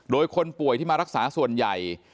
โดยคนป่วยที่มารักษาส่วนใหญ่